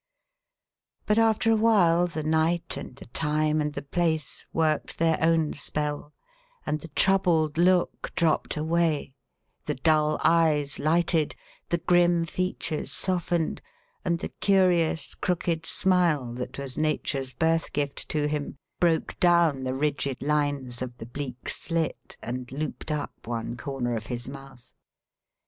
But after a while the night and the time and the place worked their own spell, and the troubled look dropped away; the dull eyes lighted, the grim features softened, and the curious crooked smile that was Nature's birth gift to him broke down the rigid lines of the "bleak slit" and looped up one corner of his mouth.